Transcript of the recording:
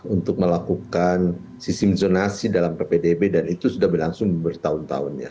untuk melakukan sistem zonasi dalam ppdb dan itu sudah berlangsung bertahun tahun ya